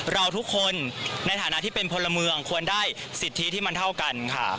เราทุกคนในฐานะที่เป็นพลเมืองควรได้สิทธิที่มันเท่ากันค่ะ